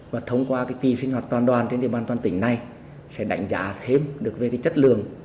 và thông qua cái kỳ sinh hoạt toàn đoàn trên địa bàn toàn tỉnh này sẽ đánh giá thêm được về chất lượng